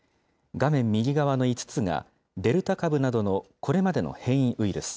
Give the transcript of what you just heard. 画面右側の５つが、デルタ株などのこれまでの変異ウイルス。